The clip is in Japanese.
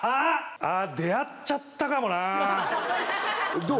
あ出会っちゃったかもなどう？